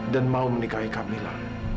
dan mau menikahi kamila